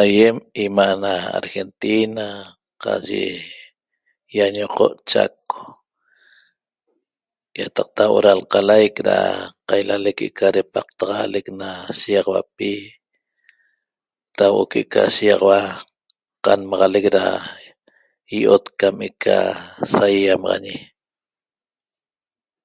Aiem ima' na Argentina qaq ye iañoqo' Chaco, iataqta huo'o ra lqalaic ra qailalec que'eca repaqtaxalec na shegaxauapi ra huo'o que'eca shegaxaua qanmaxalec ra io'ot cam eca saiaiamaxañe.